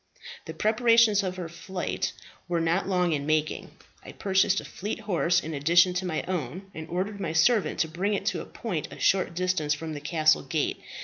"The preparations for her flight were not long in making. I purchased a fleet horse in addition to my own, and ordered my servant to bring it to a point a short distance from the castle gate.